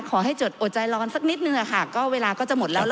ขอให้จดโอดใจร้อนสักนิดหนึ่งอะค่ะก็เวลาก็จะหมดแล้ว